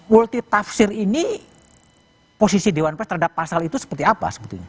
multitafsir ini posisi dewan pers terhadap pasal itu seperti apa sebetulnya